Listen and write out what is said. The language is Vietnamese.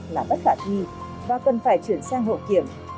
là bất khả thi và cần phải chuyển sang hậu kiểm